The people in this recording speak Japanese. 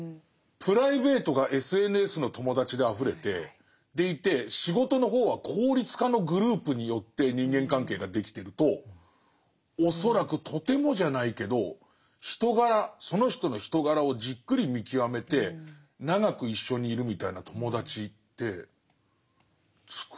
プライベートがＳＮＳの友達であふれてでいて仕事の方は効率化のグループによって人間関係ができてると恐らくとてもじゃないけど人柄その人の人柄をじっくり見極めて長く一緒にいるみたいな友達ってつくれない。